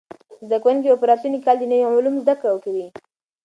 زده کوونکي به په راتلونکي کال کې نوي علوم زده کوي.